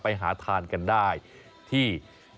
ไปหาทานกันได้ที่